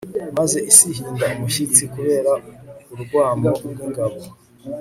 maze isi ihinda umushyitsi kubera urwamo rw'ingabo